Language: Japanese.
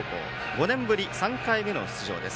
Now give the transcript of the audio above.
５年ぶり３回目の出場です。